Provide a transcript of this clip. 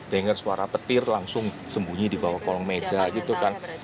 dengar suara petir langsung sembunyi di bawah kolong meja gitu kan